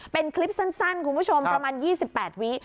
เป็นคลิปสั้นคุณผู้ชมประมาณ๒๘วิ